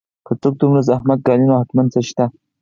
که څوک دومره زحمت ګالي نو حتماً څه شته